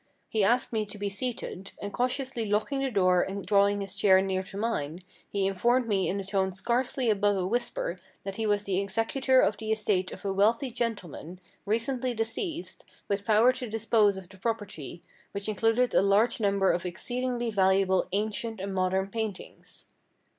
He asked me to be seated, and cautiously locking the door and drawing his chair near to mine, he informed me in a tone scarcely above a whisper that he was the executor of the estate of a wealthy gentleman, recently deceased, with power to dispose of the property, which included a large number of exceedingly valuable ancient and modern paintings.